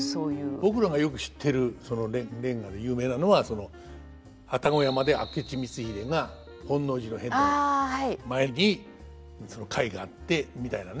僕らがよく知ってる連歌で有名なのは愛宕山で明智光秀が本能寺の変の前にその会があってみたいなね。